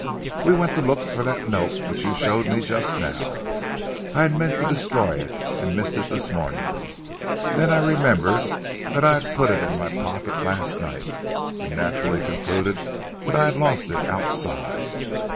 "We went to look for that note which you showed me just now. I had meant to destroy it, and missed it this morning. Then I remembered that I had put it in my pocket last night, and naturally concluded that I had lost it outside.